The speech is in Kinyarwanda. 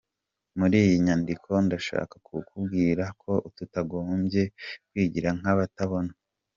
Muri iyi nyandiko ndashaka kukubwira ko tutagombye kwigira nkabatabona.